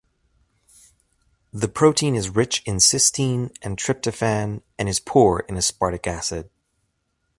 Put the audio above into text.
The protein is rich in cysteine and tryptophan and is poor in aspartic acid.